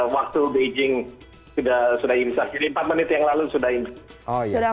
waktu beijing sudah imsak jadi empat menit yang lalu sudah ini